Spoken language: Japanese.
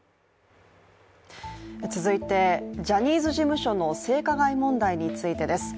続いてジャニーズ事務所の性加害問題についてです。